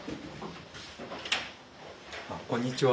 こんにちは。